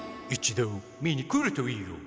一度見にくるといいよ。